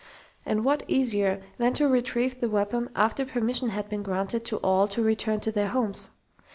And what easier than to retrieve the weapon after permission had been granted to all to return to their homes?